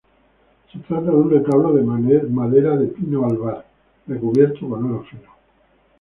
Se trata de un retablo de madera de pino albar, recubierto con oro fino.